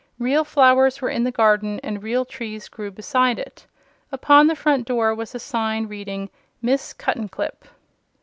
Real flowers were in the garden and real trees grew beside it. Upon the front door was a sign reading: MISS CUTTENCLIP.